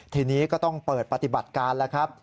ทีนี้ก็ต้องเปิดปฏิบัติการแล้วครับ